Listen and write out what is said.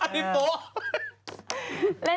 เด็กพี่โต๊ะ